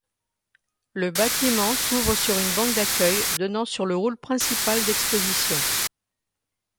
Le bâtiment s'ouvre sur une banque d'accueil donnant sur le hall principal d'expositions.